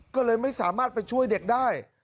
ก็เลยไม่สามารถไปช่วยเด็กได้